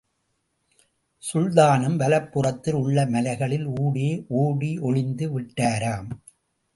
சுல்தானும் வலப்புறத்தில் உள்ள மலைகளின் ஊடே ஓடி ஒளிந்து விட்டாராம்.